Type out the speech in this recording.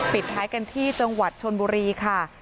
ปิดท้ายกันที่จังหวัดชนบุรีค่ะ